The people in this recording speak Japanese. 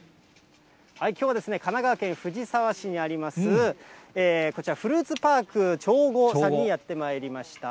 きょうは神奈川県藤沢市にあります、こちら、フルーツパーク長後さんにやってまいりました。